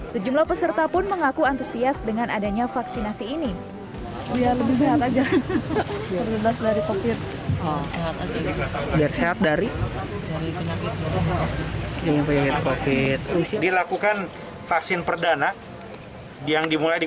sejumlah peserta pun mengaku antusias dengan adanya vaksinasi ini